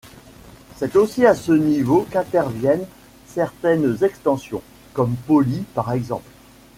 C'est aussi à ce niveau qu'interviennent certaines extensions, comme Polly par exemple.